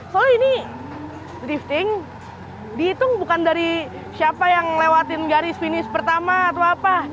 soalnya ini drifting dihitung bukan dari siapa yang lewatin garis finish pertama atau apa